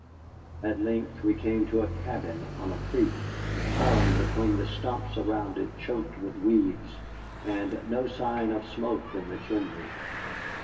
At length we came to a cabin on a creek, the corn between the stumps around it choked with weeds, and no sign of smoke in the chimney.